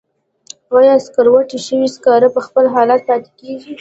آیا سکروټې شوي سکاره په خپل حالت پاتې کیږي؟